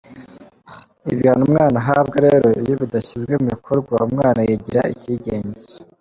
Ibihano umwana ahabwa rero iyo bidashyizwe mu bikorwa umwana yigira ikigenge.